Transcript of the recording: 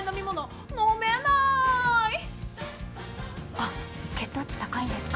あっ血糖値高いんですか？